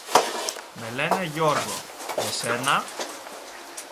Με λένε Γιώργο. Εσένα;